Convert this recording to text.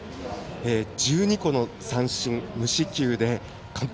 １２個の三振、無四球で完封。